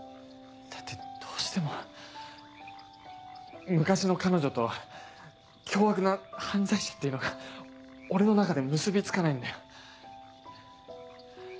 だってどうしても昔の彼女と凶悪な犯罪者っていうのが俺の中で結び付かないんだよ。